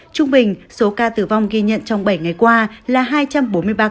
trung bình số ca tử vong ghi nhận trong bảy ngày qua là hai trăm bốn mươi ba ca